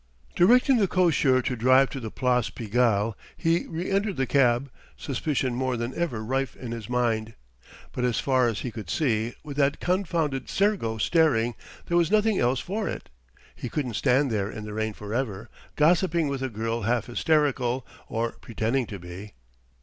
Directing the cocher to drive to the place Pigalle, he reentered the cab, suspicion more than ever rife in his mind. But as far as he could see with that confounded sergo staring! there was nothing else for it. He couldn't stand there in the rain forever, gossiping with a girl half hysterical or pretending to be.